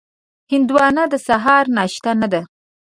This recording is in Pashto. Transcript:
هندوانه د سهار ناشته نه ده.